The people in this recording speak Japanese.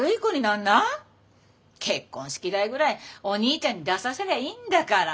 結婚式代ぐらいお兄ちゃんに出させりゃいいんだから。